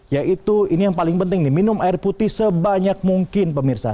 yaitu ini yang paling penting nih minum air putih sebanyak mungkin pemirsa